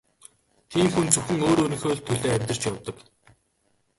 Тийм хүн зөвхөн өөрийнхөө л төлөө амьдарч явдаг.